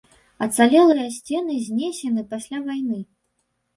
Ацалелыя сцены знесены пасля вайны.